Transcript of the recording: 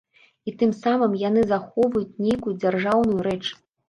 І тым самым яны захоўваюць нейкую дзяржаўную рэч.